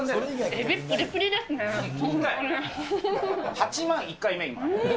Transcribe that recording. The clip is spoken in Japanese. ８万１回目、今。